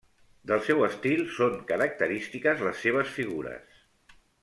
Del seu estil són característiques les seves figures.